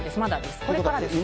これからですね。